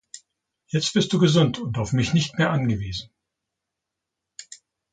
Jetzt bist du gesund und auf mich nicht mehr angewiesen.